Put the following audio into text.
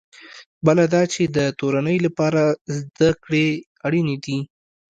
بله دا چې د تورنۍ لپاره زده کړې اړینې دي.